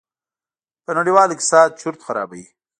په نړېوال اقتصاد چورت خرابوي.